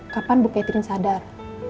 kapan bu catherine sadar